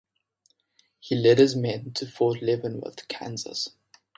He led his men to Fort Leavenworth, Kansas.